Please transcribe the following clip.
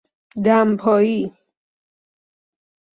دمپایی